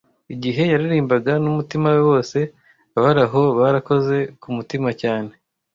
Igihe yaririmbaga n'umutima we wose, abari aho barakoze ku mutima cyane.